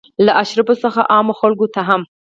له اشرافو څخه عامو خلکو ته هم.